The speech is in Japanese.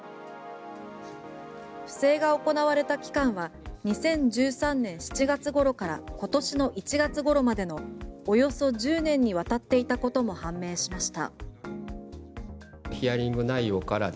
不正が行われた期間は２０１３年７月ごろから今年の１月頃までのおよそ１０年にわたっていたことも判明しました。